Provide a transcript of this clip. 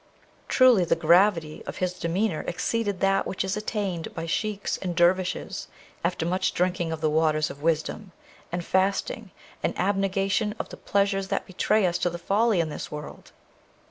Truly the gravity of his demeanour exceeded that which is attained by Sheiks and Dervishes after much drinking of the waters of wisdom, and fasting, and abnegation of the pleasures that betray us to folly in this world!